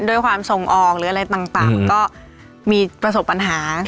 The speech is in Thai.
ด้วยความส่งออกหรืออะไรต่างก็มีประสบปัญหา